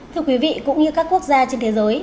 thưa quý vị cũng như các quốc gia trên thế giới